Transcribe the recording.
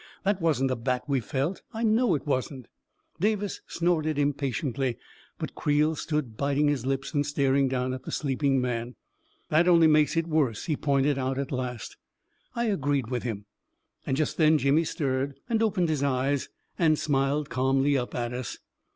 " That wasn't a bat we felt — I know it wasn't I " Davis snorted impatiently, but Creel stood biting his lips and staring down at the sleeping man. u That only makes it worse," he pointed out, at last. I agreed with him .•. And just then Jimmy stirred, and opened his eyes, and smiled calmly up at us.